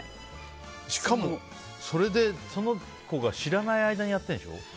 しかも、それでその子が知らない間にやってるんでしょ。